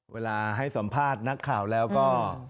เวลาให้สัมภาษณ์นักข่าวแล้วก็